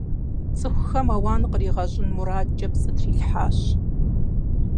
ЦӀыхухэм ауан къаригъэщӀын мурадкӀэ пцӏы трилъхьащ.